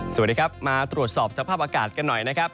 สวัสดีครับมาตรวจสอบสภาพอากาศกันหน่อยนะครับ